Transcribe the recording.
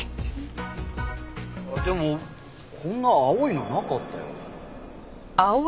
でもこんな青いのなかったよ。